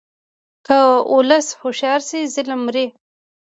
که ولس هوښیار شي، ظلم مري.